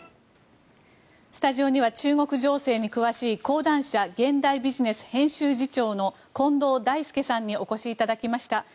スタジオには中国情勢に詳しい講談社現代ビジネス編集次長の近藤大介さんにお越しいただきました。